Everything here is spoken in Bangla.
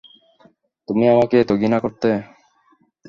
তুমি আমাকে এত ঘৃণা করতে?